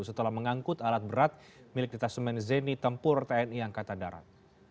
setelah mengangkut alat berat milik detasemen zeni tempur tni angkatan darat